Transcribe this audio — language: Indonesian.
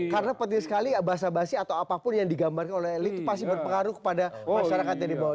karena penting sekali bahasa basi atau apapun yang digambarkan oleh lih itu pasti berpengaruh kepada masyarakat yang dibawa